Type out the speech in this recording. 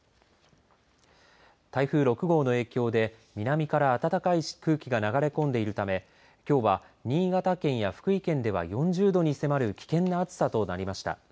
台風６号の影響で南から暖かい空気が流れ込んでいるためきょうは新潟県や福井県では４０度に迫る危険な暑さとなりました。